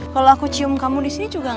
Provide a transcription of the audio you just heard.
kalau aku cium kamu disini juga enak